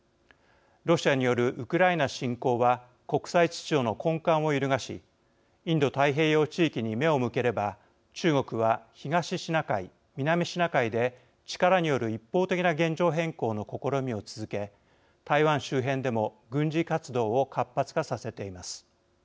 ロシアによるウクライナ侵攻は国際秩序の根幹を揺るがしインド太平洋地域に目を向ければ中国は東シナ海、南シナ海で力による一方的な現状変更の試みを続け台湾周辺でも軍事活動を活発化させています。